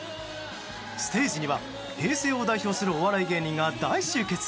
ステージには平成を代表するお笑い芸人が大集結。